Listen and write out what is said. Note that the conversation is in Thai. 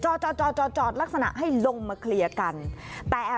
จอดจอจอจอดลักษณะให้ลงมาเคลียร์กันแต่อ่า